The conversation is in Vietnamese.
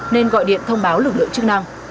nên gọi điện thông báo lực lượng chức năng